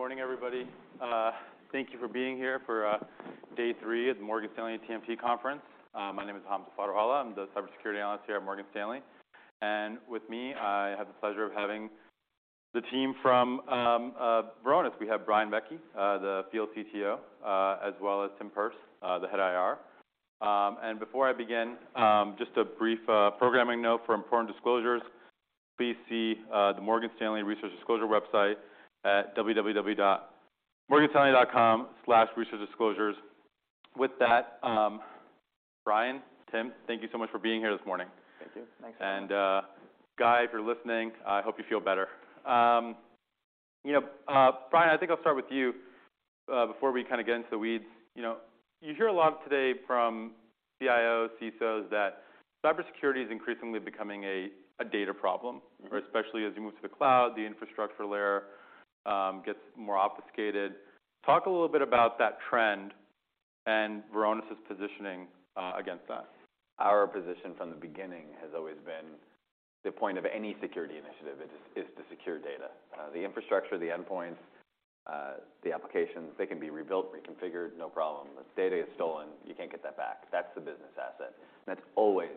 Good morning, everybody. Thank you for being here for day three at the Morgan Stanley TMT conference. My name is Hamza Fodderwala. I'm the cybersecurity analyst here at Morgan Stanley. With me, I have the pleasure of having the team from Varonis. We have Brian Vecci, the Field CTO, as well as Tim Perz, the Head of IR. Before I begin, just a brief programming note for important disclosures. Please see the Morgan Stanley Research Disclosure website at www.morganstanley.com/researchdisclosures. With that, Brian, Tim, thank you so much for being here this morning. Thank you. Thanks. Guy, if you're listening, I hope you feel better. You know, Brian, I think I'll start with you, before we kind of get into the weeds. You know, you hear a lot today from CIOs, CSOs, that cybersecurity is increasingly becoming a data problem. Mm-hmm. Especially as you move to the cloud, the infrastructure layer, gets more obfuscated. Talk a little bit about that trend and Varonis' positioning, against that. Our position from the beginning has always been the point of any security initiative is to secure data. The infrastructure, the endpoints, the applications, they can be rebuilt, reconfigured, no problem. If data is stolen, you can't get that back. That's the business asset. That's always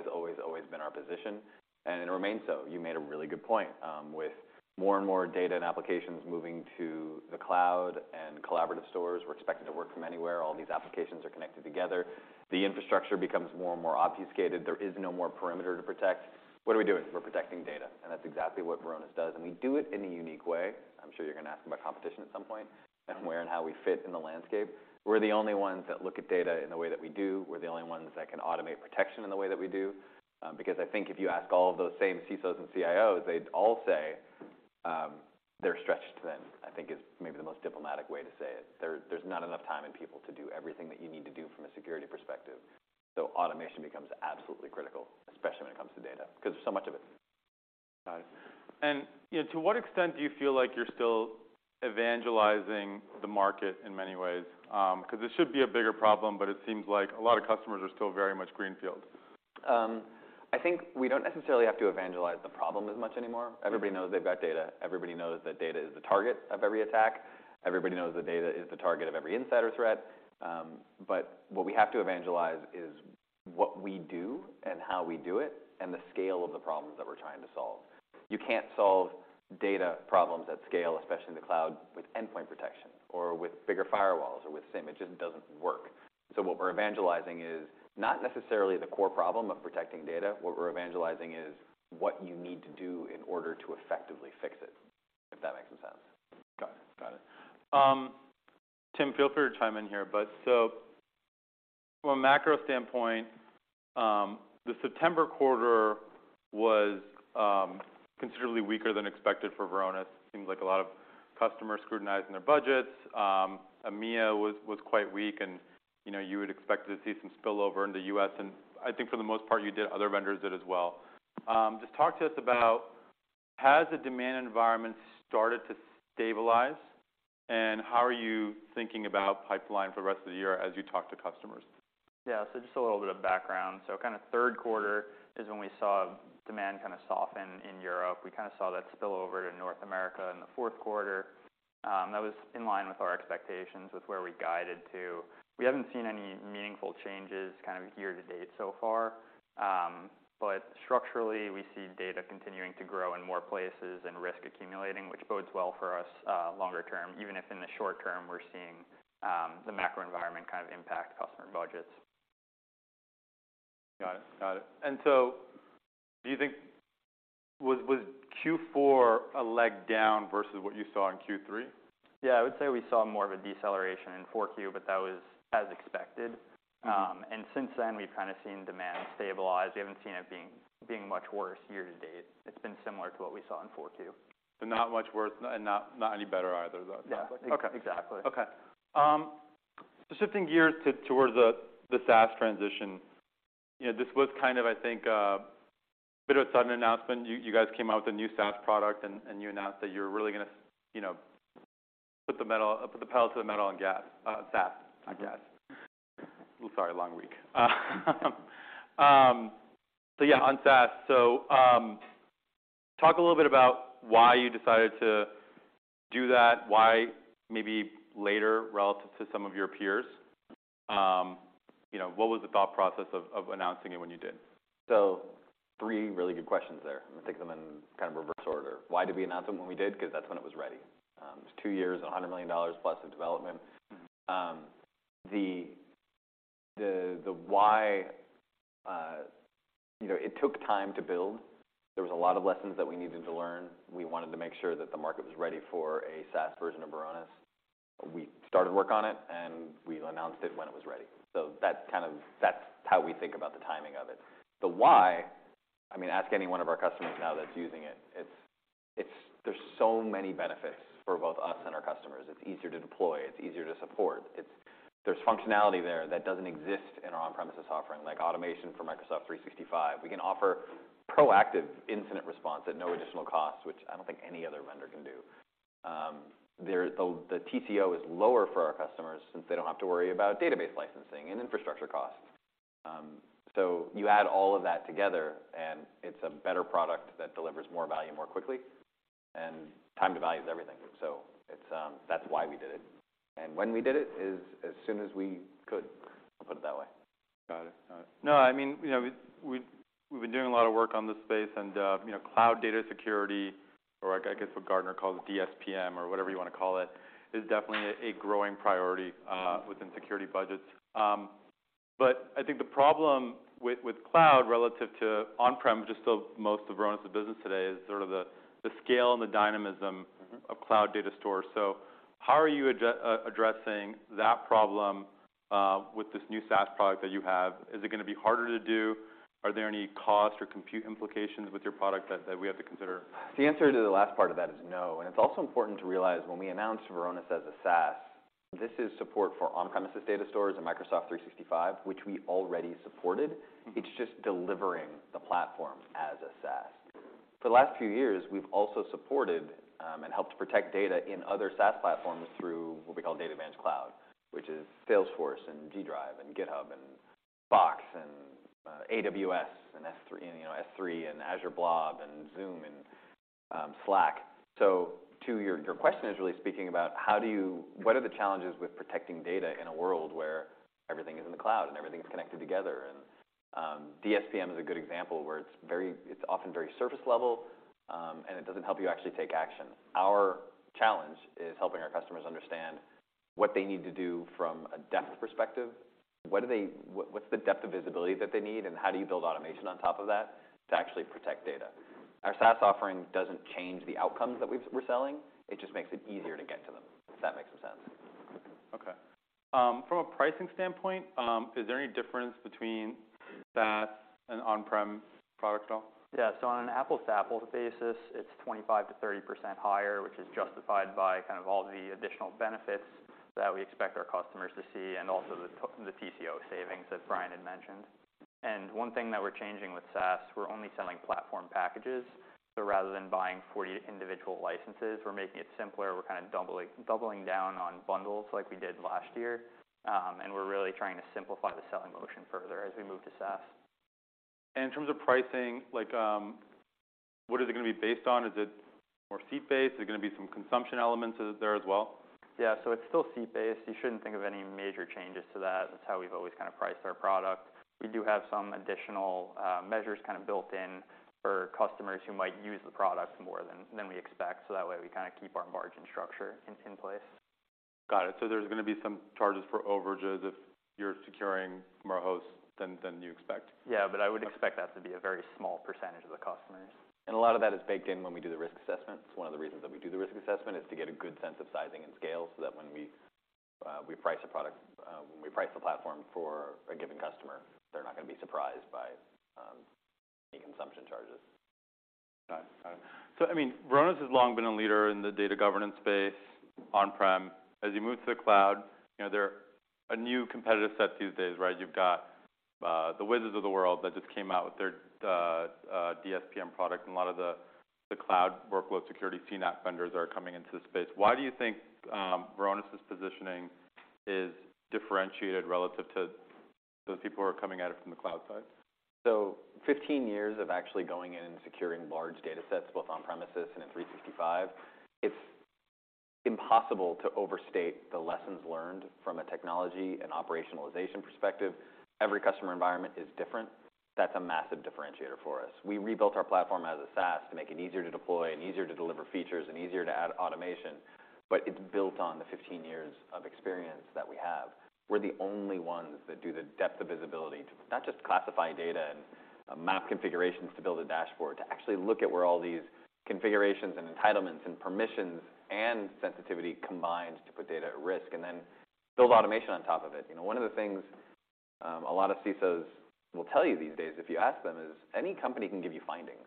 been our position, and it remains so. You made a really good point. With more and more data and applications moving to the cloud and collaborative stores, we're expecting to work from anywhere. All these applications are connected together. The infrastructure becomes more and more obfuscated. There is no more perimeter to protect. What are we doing? We're protecting data, and that's exactly what Varonis does. We do it in a unique way. I'm sure you're gonna ask about competition at some point and where and how we fit in the landscape. We're the only ones that look at data in the way that we do. We're the only ones that can automate protection in the way that we do. I think if you ask all of those same CISOs and CIOs, they'd all say, they're stretched thin, I think is maybe the most diplomatic way to say it. There's not enough time and people to do everything that you need to do from a security perspective. Automation becomes absolutely critical, especially when it comes to data, because there's so much of it. Got it. You know, to what extent do you feel like you're still evangelizing the market in many ways? Because this should be a bigger problem, but it seems like a lot of customers are still very much greenfield. I think we don't necessarily have to evangelize the problem as much anymore. Mm-hmm. Everybody knows they've got data. Everybody knows that data is the target of every attack. Everybody knows that data is the target of every insider threat. What we have to evangelize is what we do and how we do it, and the scale of the problems that we're trying to solve. You can't solve data problems at scale, especially in the cloud, with endpoint protection or with bigger firewalls or with SIEM, it just doesn't work. What we're evangelizing is not necessarily the core problem of protecting data. What we're evangelizing is what you need to do in order to effectively fix it, if that makes sense. Got it. Got it. Tim, feel free to chime in here. From a macro standpoint, the September quarter was considerably weaker than expected for Varonis. Seems like a lot of customers scrutinizing their budgets. EMEA was quite weak and, you know, you would expect to see some spillover in the U.S. I think for the most part you did, other vendors did as well. Just talk to us about, has the demand environment started to stabilize, and how are you thinking about pipeline for the rest of t he year as you talk to customers? Yeah. Just a little bit of background. So kind of third quarter is when we saw demand kind of soften in Europe. We kind of saw that spill over to North America in the fourth quarter. That was in line with our expectations with where we guided to. We haven't seen any meaningful changes kind of year to date so far. Structurally, we see data continuing to grow in more places and risk accumulating, which bodes well for us, longer term, even if in the short term we're seeing, the macro environment kind of impact customer budgets. Got it. Got it. Was Q4 a leg down versus what you saw in Q3? Yeah, I would say we saw more of a deceleration in 4Q, but that was as expected. Since then we've kind of seen demand stabilize. We haven't seen it being much worse year to date. It's been similar to what we saw in 4Q. Not much worse. Not any better either, though. Yeah. Okay. Exactly. Okay. shifting gears towards the SaaS transition. You guys came out with a new SaaS product and you announced that you're really gonna, you know, put the pedal to the metal on gas, SaaS, I guess. Mm-hmm. Sorry, long week. Yeah, on SaaS. Talk a little bit about why you decided to do that, why maybe later relative to some of your peers? You know, what was the thought process of announcing it when you did? Three really good questions there. I'm gonna take them in kind of reverse order. Why did we announce it when we did? 'Cause that's when it was ready. It was two years, $100 million+ of development. The why, you know, it took time to build. There was a lot of lessons that we needed to learn. We wanted to make sure that the market was ready for a SaaS version of Varonis. We started work on it, and we announced it when it was ready. That's kind of that's how we think about the timing of it. The why, I mean, ask any one of our customers now that's using it. It's there's so many benefits for both us and our customers. It's easier to deploy. It's easier to support. It's there's functionality there that doesn't exist in our on-premises offering, like automation for Microsoft 365. We can offer proactive incident response at no additional cost, which I don't think any other vendor can do. The TCO is lower for our customers since they don't have to worry about database licensing and infrastructure costs. You add all of that together, and it's a better product that delivers more value more quickly, and time to value is everything. It's why we did it, and when we did it is as soon as we could. I'll put it that way. Got it. Got it. No, I mean, you know, we've been doing a lot of work on this space. You know, cloud data security, or I guess what Gartner calls DSPM or whatever you wanna call it, is definitely a growing priority within security budgets. I think the problem with cloud relative to on-prem, just so most of Varonis' business today is sort of the scale and the dynamism- Mm-hmm of cloud data stores. How are you addressing that problem with this new SaaS product that you have? Is it gonna be harder to do? Are there any cost or compute implications with your product that we have to consider? The answer to the last part of that is no, and it's also important to realize when we announce Varonis as a SaaS, this is support for on-premises data storage and Microsoft 365, which we already supported. Mm-hmm. It's just delivering the platform as a SaaS. Mm-hmm. For the last few years, we've also supported and helped protect data in other SaaS platforms through what we call DatAdvantage Cloud, which is Salesforce, and Google Drive, and GitHub, and Box, and AWS, and S3, and, you know, S3, and Azure Blob, and Zoom, and Slack. To your question is really speaking about what are the challenges with protecting data in a world where everything is in the cloud, and everything's connected together? DSPM is a good example where it's often very surface level, and it doesn't help you actually take action. Our challenge is helping our customers understand what they need to do from a depth perspective. What's the depth of visibility that they need, and how do you build automation on top of that to actually protect data? Our SaaS offering doesn't change the outcomes that we're selling. It just makes it easier to get to them, if that makes some sense. Okay. From a pricing standpoint, is there any difference between SaaS and on-prem product at all? Yeah. On an apples to apples basis, it's 25%-30% higher, which is justified by kind of all the additional benefits that we expect our customers to see, also the TCO savings that Brian had mentioned. One thing that we're changing with SaaS, we're only selling platform packages. Rather than buying 40 individual licenses, we're making it simpler. We're kind of doubling down on bundles like we did last year, we're really trying to simplify the selling motion further as we move to SaaS. In terms of pricing, like, what is it gonna be based on? Is it more seat-based? Is it gonna be some consumption elements there as well? Yeah. It's still seat-based. You shouldn't think of any major changes to that. That's how we've always kind of priced our product. We do have some additional measures kind of built in for customers who might use the product more than we expect, that way we kind of keep our margin structure in place. Got it. There's gonna be some charges for overages if you're securing more hosts than you expect. Yeah. I would expect that to be a very small percentage of the customers. A lot of that is baked in when we do the risk assessment. It's one of the reasons that we do the risk assessment is to get a good sense of sizing and scale so that when we price a product, when we price the platform for a given customer, they're not gonna be surprised by any consumption charges. Got it. Got it. I mean, Varonis has long been a leader in the data governance space on-prem. As you move to the cloud, you know, there are a new competitive set these days, right? You've got the Wiz of the world that just came out with their DSPM product, and a lot of the cloud workload security CNAPP vendors are coming into the space. Why do you think Varonis' positioning is differentiated relative to those people who are coming at it from the cloud side? Fifteen years of actually going in and securing large data sets, both on-premises and in 365, it's impossible to overstate the lessons learned from a technology and operationalization perspective. Every customer environment is different. That's a massive differentiator for us. We rebuilt our platform as a SaaS to make it easier to deploy, and easier to deliver features, and easier to add automation, but it's built on the 15 years of experience that we have. We're the only ones that do the depth of visibility to not just classify data and map configurations to build a dashboard, to actually look at where all these configurations and entitlements and permissions and sensitivity combines to put data at risk, and then build automation on top of it. One of the things a lot of CISOs will tell you these days if you ask them is, any company can give you findings,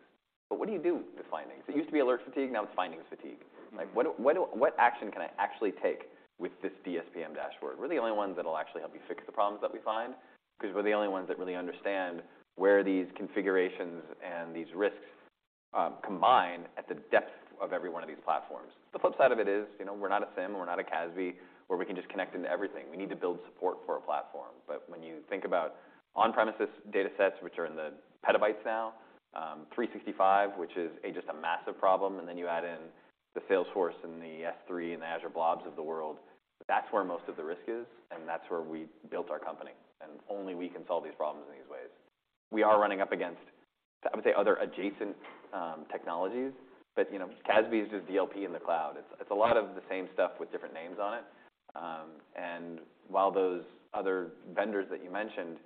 but what do you do with the findings? It used to be alert fatigue, now it's findings fatigue. Like, what action can I actually take with this DSPM dashboard? We're the only ones that'll actually help you fix the problems that we find, 'cause we're the only ones that really understand where these configurations and these risks combine at the depth of every one of these platforms. The flip side of it is, you know, we're not a SIEM, we're not a CASB, where we can just connect into everything. We need to build support for a platform. When you think about on-premises data sets, which are in the petabytes now, 365, which is just a massive problem, and then you add in the Salesforce, and the S3, and the Azure Blobs of the world, that's where most of the risk is, and that's where we built our company, and only we can solve these problems in these ways. We are running up against, I would say, other adjacent technologies, but, you know, CASB is just DLP in the cloud. It's a lot of the same stuff with different names on it. While those other vendors that you mentioned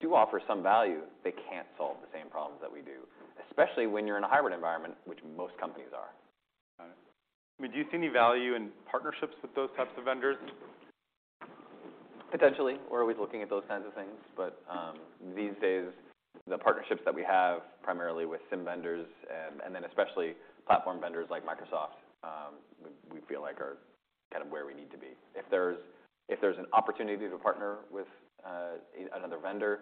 do offer some value, they can't solve the same problems that we do, especially when you're in a hybrid environment, which most companies are. Got it. I mean, do you see any value in partnerships with those types of vendors? Potentially. We're always looking at those kinds of things. These days, the partnerships that we have, primarily with SIEM vendors and then especially platform vendors like Microsoft, we feel like are kind of where we need to be. If there's an opportunity to partner with another vendor,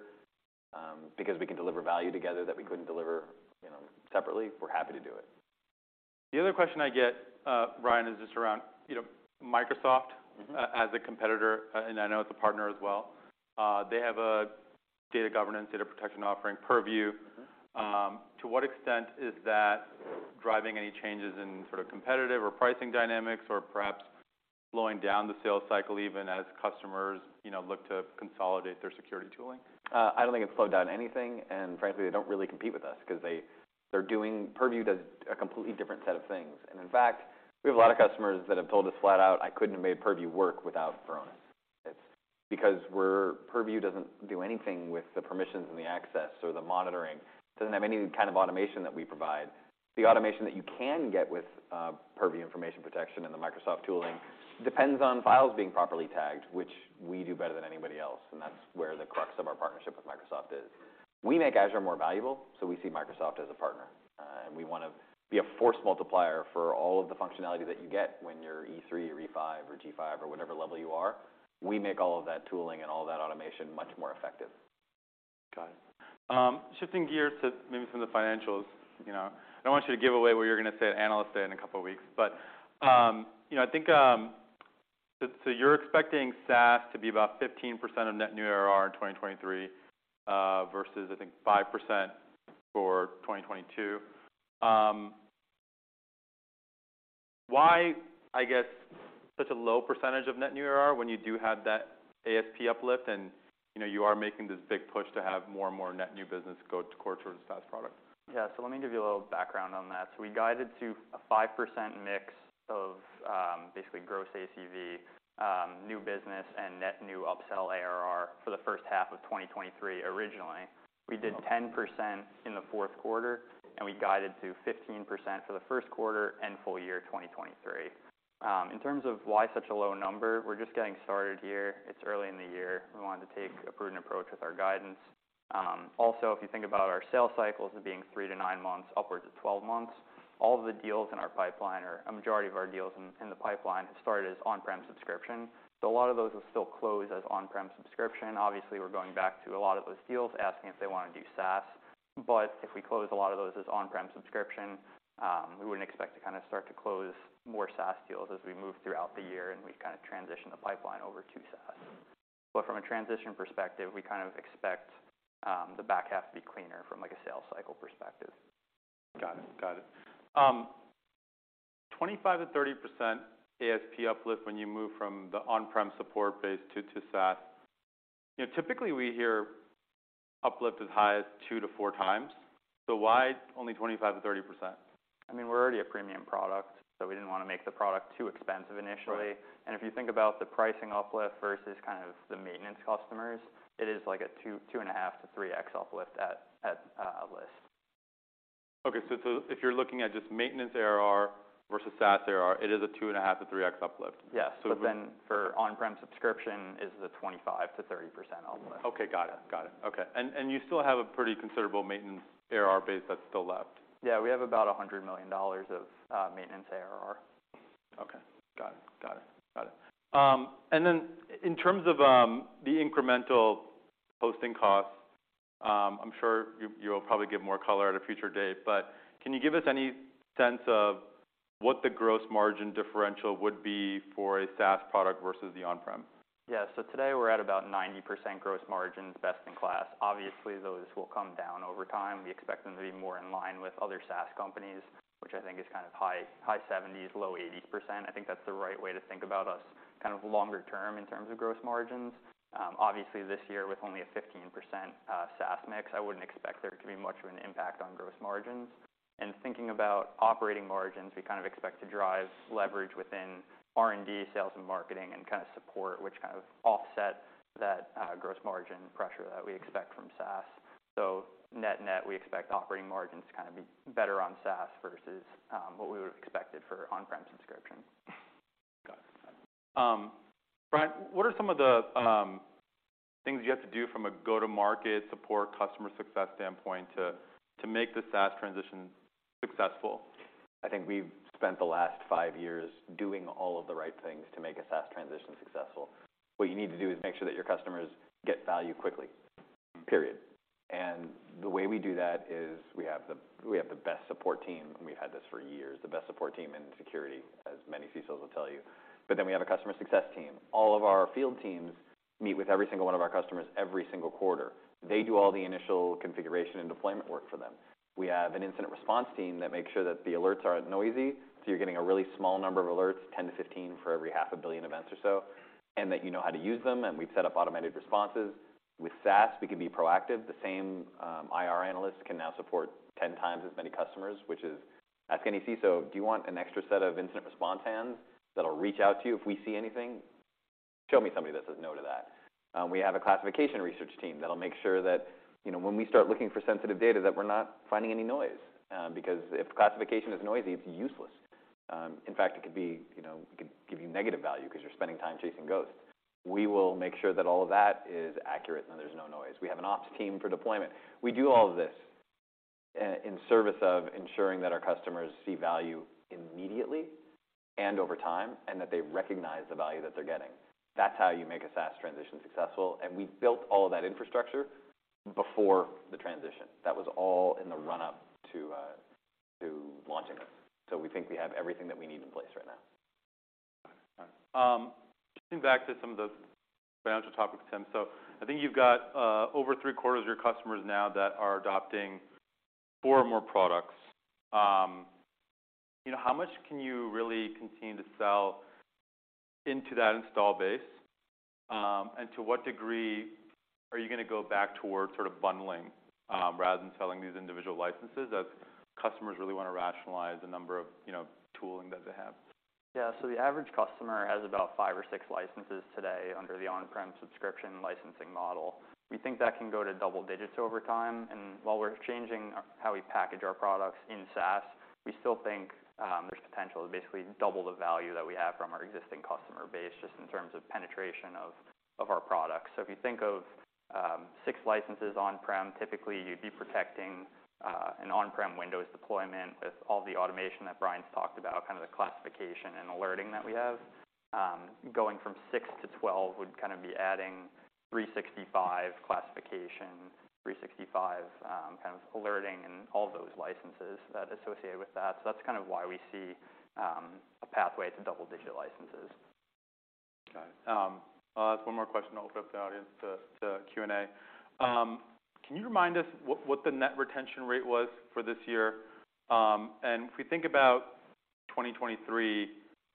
because we can deliver value together that we couldn't deliver, you know, separately, we're happy to do it. The other question I get, Brian, is just around, you know, Microsoft- Mm-hmm... as a competitor, and I know as a partner as well. They have a data governance, data protection offering, Purview. Mm-hmm. To what extent is that driving any changes in sort of competitive or pricing dynamics, or perhaps slowing down the sales cycle even as customers, you know, look to consolidate their security tooling? I don't think it's slowed down anything, frankly, they don't really compete with us 'cause Purview does a completely different set of things. In fact, we have a lot of customers that have told us flat out, "I couldn't have made Purview work without Varonis." It's because Purview doesn't do anything with the permissions and the access or the monitoring. Doesn't have any kind of automation that we provide. The automation that you can get with Purview Information Protection and the Microsoft tooling depends on files being properly tagged, which we do better than anybody else, and that's where the crux of our partnership with Microsoft is. We make Azure more valuable. We see Microsoft as a partner. We wanna be a force multiplier for all of the functionality that you get when you're E3 or E5 or G5 or whatever level you are. We make all of that tooling and all of that automation much more effective. Got it. Shifting gears to maybe some of the financials, you know. I don't want you to give away what you're gonna say at Analyst Day in a couple of weeks, but, you know, I think, you're expecting SaaS to be about 15% of net new ARR in 2023, versus I think 5% for 2022. Why, I guess, such a low percentage of net new ARR when you do have that ASP uplift and, you know, you are making this big push to have more and more net new business go to core towards SaaS product? Yeah. Let me give you a little background on that. We guided to a 5% mix of basically gross ACV new business and net new upsell ARR for the first half of 2023 originally. We did 10% in the fourth quarter, we guided to 15% for the first quarter and full year 2023. In terms of why such a low number, we're just getting started here. It's early in the year. We wanted to take a prudent approach with our guidance. If you think about our sales cycles as being three to nine months, upwards of 12 months, all of the deals in our pipeline or a majority of our deals in the pipeline have started as on-prem subscription. A lot of those will still close as on-prem subscription. Obviously, we're going back to a lot of those deals, asking if they wanna do SaaS. If we close a lot of those as on-prem subscription, we wouldn't expect to kinda start to close more SaaS deals as we move throughout the year, and we kind of transition the pipeline over to SaaS. From a transition perspective, we kind of expect, the back half to be cleaner from like a sales cycle perspective. Got it. Got it. 25% to 30% ASP uplift when you move from the on-prem support base to SaaS. You know, typically we hear uplift as high as 2x- 4x, why only 25% to 30%? I mean, we're already a premium product, so we didn't wanna make the product too expensive initially. Right. If you think about the pricing uplift versus kind of the maintenance customers, it is like a 2.5x- 3x uplift at list. If you're looking at just maintenance ARR versus SaaS ARR, it is a two and a half to 3x uplift? Yes. So- For on-prem subscription is the 25%-30% uplift. Okay. Got it. Got it. Okay. You still have a pretty considerable maintenance ARR base that's still left? Yeah. We have about $100 million of maintenance ARR. Okay. Got it. Got it. Got it. In terms of the incremental hosting costs, I'm sure you'll probably give more color at a future date, but can you give us any sense of what the gross margin differential would be for a SaaS product versus the on-prem? Today we're at about 90% gross margins, best in class. Obviously, those will come down over time. We expect them to be more in line with other SaaS companies, which I think is kind of high 70s, low 80%. I think that's the right way to think about us kind of longer term in terms of gross margins. Obviously, this year with only a 15% SaaS mix, I wouldn't expect there to be much of an impact on gross margins. Thinking about operating margins, we kind of expect to drive leverage within R&D, sales and marketing, and kind of support which kind of offset that gross margin pressure that we expect from SaaS. Net-net, we expect operating margins to kind of be better on SaaS versus what we would have expected for on-prem subscription. Got it. Got it. Brian, what are some of the things you have to do from a go-to-market support customer success standpoint to make the SaaS transition successful? I think we've spent the last five years doing all of the right things to make a SaaS transition successful. What you need to do is make sure that your customers get value quickly, period. The way we do that is we have the best support team, and we've had this for years, the best support team in security, as many CISOs will tell you. We have a customer success team. All of our field teams meet with every single one of our customers every single quarter. They do all the initial configuration and deployment work for them. We have an incident response team that makes sure that the alerts aren't noisy. You're getting a really small number of alerts, 10-15 for every half a billion events or so, that you know how to use them. We've set up automated responses. With SaaS, we can be proactive. The same IR analyst can now support 10 times as many customers. Ask any CISO, "Do you want an extra set of incident response hands that'll reach out to you if we see anything?" Show me somebody that says no to that. We have a classification research team that'll make sure that, you know, when we start looking for sensitive data, that we're not finding any noise. If classification is noisy, it's useless. In fact, it could be, you know, it could give you negative value 'cause you're spending time chasing ghosts. We will make sure that all of that is accurate and there's no noise. We have an ops team for deployment. We do all of this in service of ensuring that our customers see value immediately and over time, and that they recognize the value that they're getting. That's how you make a SaaS transition successful. We built all of that infrastructure before the transition. That was all in the run-up to launching it. We think we have everything that we need in place right now. Switching back to some of the financial topics, Tim. I think you've got over three-quarters of your customers now that are adopting four or more products. You know, how much can you really continue to sell into that install base? To what degree are you gonna go back towards sort of bundling, rather than selling these individual licenses as customers really wanna rationalize the number of, you know, tooling that they have? The average customer has about five or six licenses today under the on-prem subscription licensing model. We think that can go to double digits over time. While we're changing how we package our products in SaaS, we still think there's potential to basically double the value that we have from our existing customer base, just in terms of penetration of our products. If you think of 6 licenses on-prem, typically you'd be protecting an on-prem Windows deployment with all the automation that Brian's talked about, kind of the classification and alerting that we have. Going from 6- 12 would kind of be adding 365 classification, 365, kind of alerting and all those licenses associated with that. That's kind of why we see a pathway to double-digit licenses. Okay. I'll ask one more question to open up the audience to Q&A. Can you remind us what the net retention rate was for this year? If we think about 2023,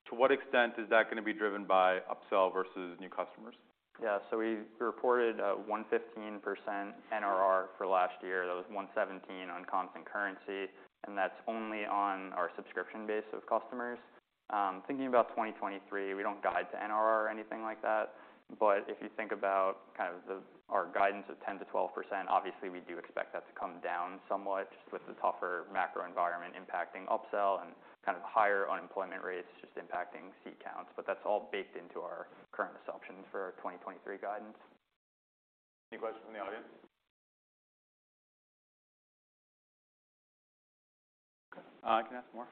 to what extent is that gonna be driven by upsell versus new customers? We reported 115% NRR for last year. That was 117 on constant currency, and that's only on our subscription base of customers. Thinking about 2023, we don't guide to NRR or anything like that. If you think about kind of our guidance of 10%-12%, obviously, we do expect that to come down somewhat just with the tougher macro environment impacting upsell and kind of higher unemployment rates just impacting seat counts. That's all baked into our current assumptions for our 2023 guidance. Any questions from the audience? Okay. I can ask more.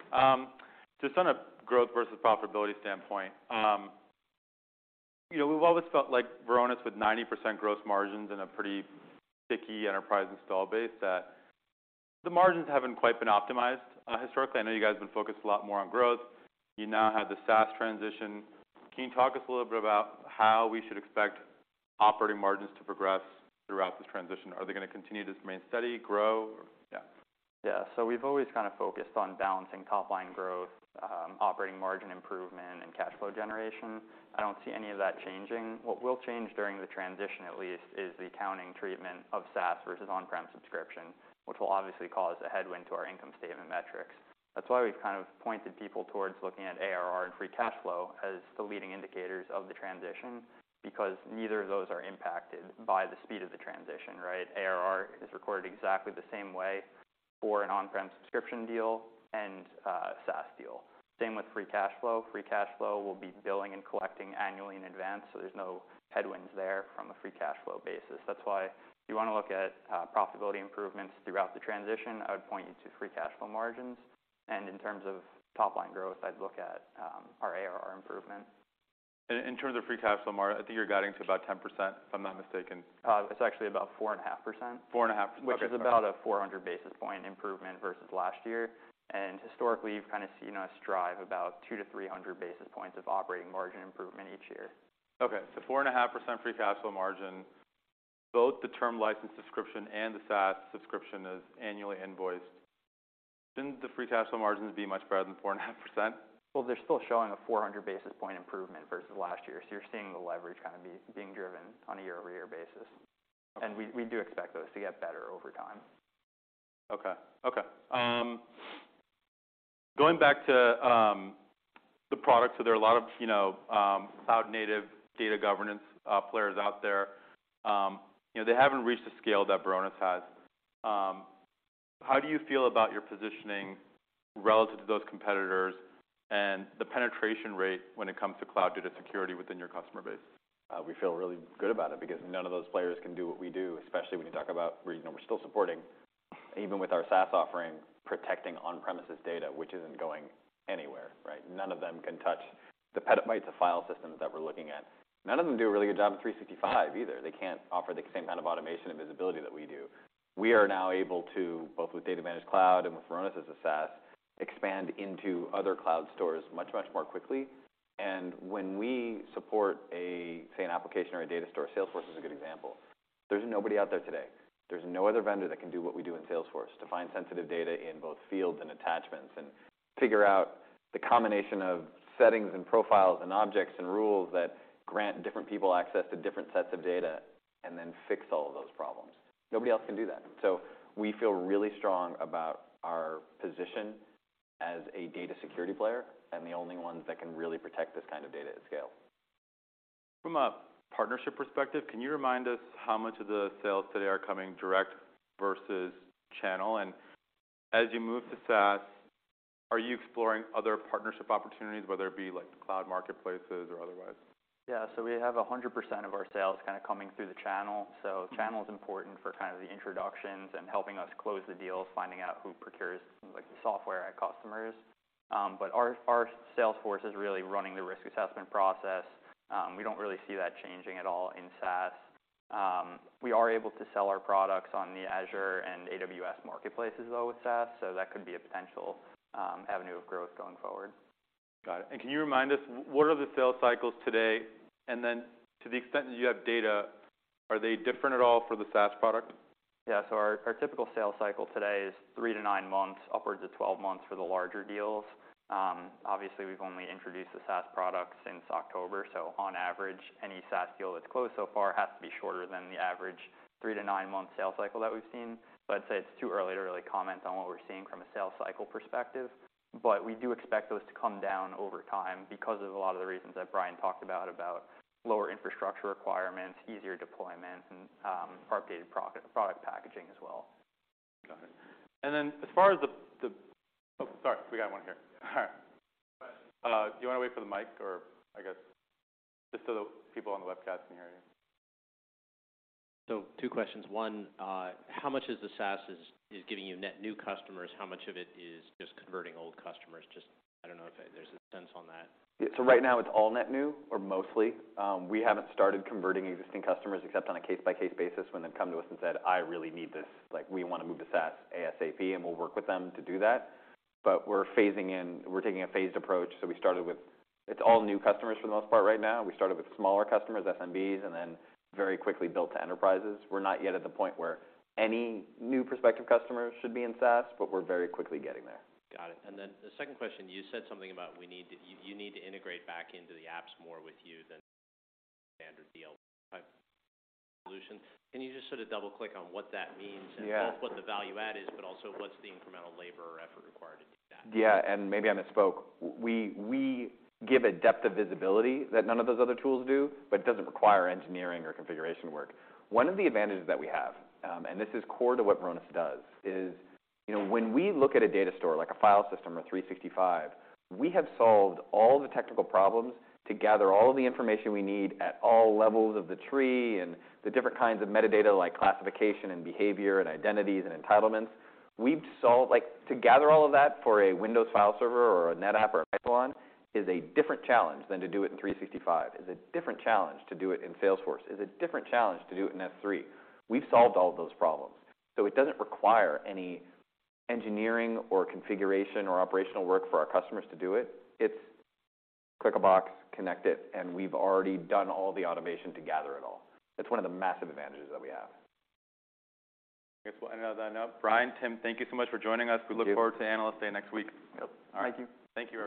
Just on a growth versus profitability standpoint, you know, we've always felt like Varonis with 90% gross margins and a pretty sticky enterprise install base that the margins haven't quite been optimized. Historically, I know you guys have been focused a lot more on growth. You now have the SaaS transition. Can you talk us a little bit about how we should expect operating margins to progress throughout this transition? Are they gonna continue to just remain steady, grow? Yeah. We've always kind of focused on balancing top line growth, operating margin improvement, and cash flow generation. I don't see any of that changing. What will change during the transition, at least, is the accounting treatment of SaaS versus on-prem subscription, which will obviously cause a headwind to our income statement metrics. That's why we've kind of pointed people towards looking at ARR and free cash flow as the leading indicators of the transition, because neither of those are impacted by the speed of the transition, right? ARR is recorded exactly the same way for an on-prem subscription deal and a SaaS deal. Same with free cash flow. Free cash flow will be billing and collecting annually in advance. There's no headwinds there from a free cash flow basis. That's why if you wanna look at profitability improvements throughout the transition, I would point you to free cash flow margins. In terms of top line growth, I'd look at our ARR improvement. In terms of free cash flow margin, I think you're guiding to about 10%, if I'm not mistaken. It's actually about 4.5%. 4.5. Okay. Which is about a 400 basis point improvement versus last year. Historically, you've kinda seen us drive about 200-300 basis points of operating margin improvement each year. Okay. 4.5% free cash flow margin. Both the term license subscription and the SaaS subscription is annually invoiced. Shouldn't the free cash flow margins be much better than 4.5 %? Well, they're still showing a 400 basis point improvement versus last year, so you're seeing the leverage kind of being driven on a year-over-year basis. We do expect those to get better over time. Okay. Okay. Going back to the product. There are a lot of, you know, cloud native data governance players out there. You know, they haven't reached the scale that Varonis has. How do you feel about your positioning relative to those competitors and the penetration rate when it comes to cloud data security within your customer base? We feel really good about it because none of those players can do what we do, especially when you talk about where, you know, we're still supporting, even with our SaaS offering, protecting on-premises data, which isn't going anywhere, right? None of them can touch the petabytes of file systems that we're looking at. None of them do a really good job at 365 either. They can't offer the same amount of automation and visibility that we do. We are now able to, both with Data Management Cloud and with Varonis as a SaaS, expand into other cloud stores much, much more quickly. When we support a, say, an application or a data store, Salesforce is a good example. There's nobody out there today. There's no other vendor that can do what we do in Salesforce to find sensitive data in both fields and attachments and figure out the combination of settings and profiles and objects and rules that grant different people access to different sets of data and then fix all of those problems. Nobody else can do that. We feel really strong about our position as a data security player and the only ones that can really protect this kind of data at scale. From a partnership perspective, can you remind us how much of the sales today are coming direct versus channel? As you move to SaaS, are you exploring other partnership opportunities, whether it be like cloud marketplaces or otherwise? We have 100% of our sales kind of coming through the channel. Channel's important for kind of the introductions and helping us close the deals, finding out who procures like the software at customers. Our sales force is really running the risk assessment process. We don't really see that changing at all in SaaS. We are able to sell our products on the Azure and AWS marketplaces though with SaaS, that could be a potential avenue of growth going forward. Got it. Can you remind us, what are the sales cycles today? Then to the extent that you have data, are they different at all for the SaaS product? Our typical sales cycle today is 3-9 months, upwards of 12 months for the larger deals. Obviously we've only introduced the SaaS product since October, on average, any SaaS deal that's closed so far has to be shorter than the average 3-9 month sales cycle that we've seen. I'd say it's too early to really comment on what we're seeing from a sales cycle perspective. We do expect those to come down over time because of a lot of the reasons that Brian talked about lower infrastructure requirements, easier deployment, and our updated product packaging as well. Got it. Oh, sorry, we got one here. All right. Question. Do you wanna wait for the mic or, I guess, just so the people on the webcast can hear you? Two questions. One, how much is the SaaS is giving you net new customers? How much of it is just converting old customers? Just, I don't know if there's a sense on that. Yeah. Right now it's all net new or mostly. We haven't started converting existing customers except on a case-by-case basis when they've come to us and said, "I really need this," like, "We wanna move to SaaS ASAP," and we'll work with them to do that. We're taking a phased approach. It's all new customers for the most part right now. We started with smaller customers, SMBs, and then very quickly built to enterprises. We're not yet at the point where any new prospective customer should be in SaaS. We're very quickly getting there. Got it. The second question, you said something about You need to integrate back into the apps more with you than standard DLP type solution. Can you just sort of double-click on what that means? Yeah... and both what the value add is, but also what's the incremental labor or effort required to do that? Yeah. Maybe I misspoke. We, we give a depth of visibility that none of those other tools do, but it doesn't require engineering or configuration work. One of the advantages that we have, and this is core to what Varonis does, is, you know, when we look at a data store like a file system or 365, we have solved all the technical problems to gather all of the information we need at all levels of the tree and the different kinds of metadata like classification and behavior and identities and entitlements. Like, to gather all of that for a Windows file server or a NetApp or a Isilon is a different challenge than to do it in 365, is a different challenge to do it in Salesforce, is a different challenge to do it in S3. We've solved all of those problems, so it doesn't require any engineering or configuration or operational work for our customers to do it. It's click a box, connect it, and we've already done all the automation to gather it all. That's one of the massive advantages that we have. I guess we'll end on that note. Brian, Tim, thank you so much for joining us. Thank you. We look forward to Analyst Day next week. Yep. All right. Thank you. Thank you.